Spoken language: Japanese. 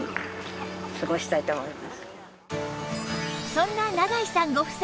そんな永井さんご夫妻